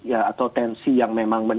ya atau tensi yang memang terjadi